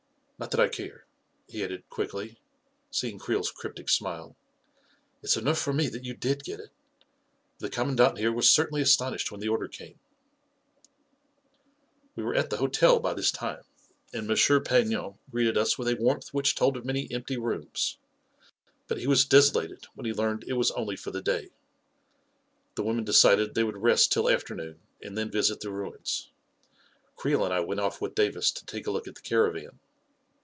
v Not that I care/' he added quickly, seeing Creel's cryptic smile. " It's enough for me that you did get it. But the commandant here was certainly astonished when the order came I " We were at the hotel by this time, and M. Pagnon greeted us with a warmth which told of many empty rooms ; but he was desolated when he learned it was only for the day ! The women decided they would rest till afternoon and then visit the ruins. Creel and I went off with Davis to take a look at the cara van.